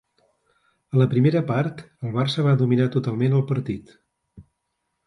A la primera part, el Barça va dominar totalment el partit.